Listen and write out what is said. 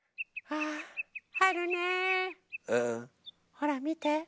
ほらみて。